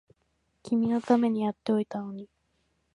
君のためにやっておいたのに